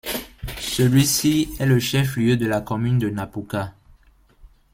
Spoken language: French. Celui-ci est le chef-lieu de la commune de Napuka.